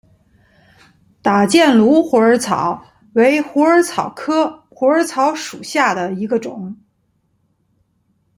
打箭炉虎耳草为虎耳草科虎耳草属下的一个种。